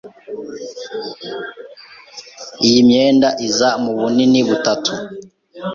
Iyi myenda iza mu bunini butatu.